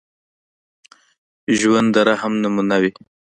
ژوندي د رحم نمونه وي